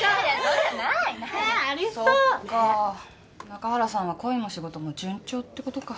中原さんは恋も仕事も順調ってことか。